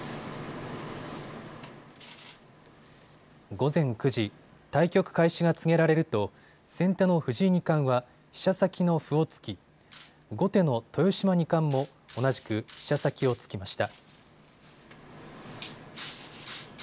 午前９時、対局開始が告げられると先手の藤井二冠は飛車先の歩を突き後手の豊島二冠も同じく飛車先を突きました。